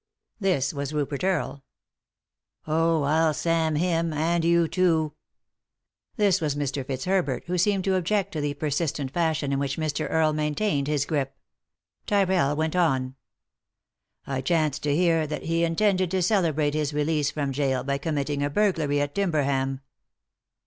This was Rupert Earle. $22 3i 9 iii^d by Google THE INTERRUPTED KISS "Ob, I'll Sam him I — and you too 1" This was Mr. Fitzherbert, who seemed to object to the persistent fashion in which Mr. Earle maintained his grip. Tyrrell went on. "I chanced to hear that he intended to celebrate bis release from gaol by committing a burglary at Timberham."